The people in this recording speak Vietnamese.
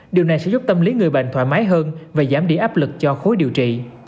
điều này sẽ giúp tâm lý người bệnh thoải mái hơn và giảm đi áp lực cho khối điều trị